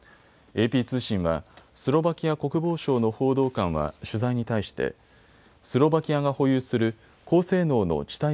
ＡＰ通信は、スロバキア国防省の報道官は取材に対してスロバキアが保有する高性能の地